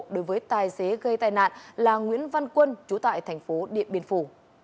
đối với tài xế gây tai nạn là nguyễn văn quân chú tại tp điện biên phủ